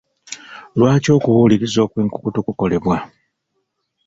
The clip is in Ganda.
Lwaki okubuuliriza okw'enkukutu kukolebwa.